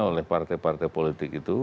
oleh partai partai politik itu